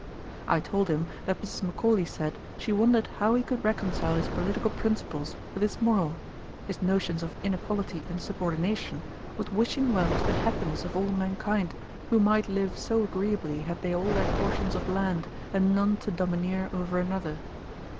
I told him that Mrs. Macaulay said, she wondered how he could reconcile his political principles with his moral; his notions of inequality and subordination with wishing well to the happiness of all mankind, who might live so agreeably, had they all their portions of land, and none to domineer over another.